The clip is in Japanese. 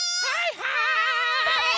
はい！